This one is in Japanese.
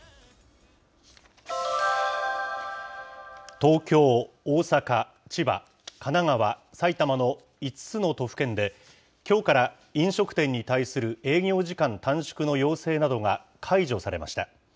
東京、大阪、千葉、神奈川、埼玉の５つの都府県で、きょうから飲食店に対する営業時間短縮の要請などが解除されました。